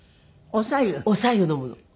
お白湯飲むの。